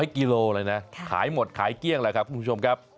กิโลเลยนะขายหมดขายเกลี้ยงแหละครับคุณผู้ชมครับ